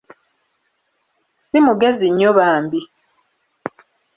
Ssi mugezi nnyo bambi.